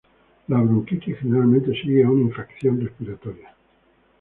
La bronquitis generalmente sigue a una infección respiratoria.